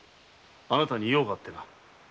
あなたに用があってな。